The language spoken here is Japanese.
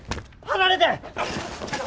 離れて！